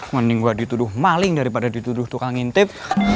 mending gua dituduh maling daripada dituduh tukang ngintip